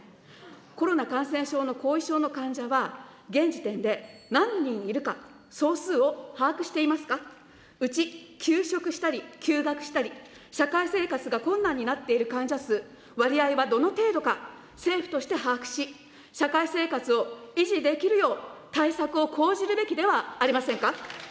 コロナ感染症の後遺症の患者は、現時点で何人いるか、総数を把握していますか、うち休職したり休学したり、社会生活が困難になっている患者数、割合はどの程度か、政府として把握し、社会生活を維持できるよう、対策を講じるべきではありませんか。